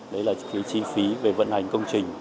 đấy là thiếu chi phí về vận hành công trình